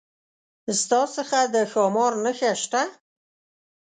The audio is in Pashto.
ستا څخه د ښامار نخښه شته؟